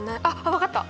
分かった？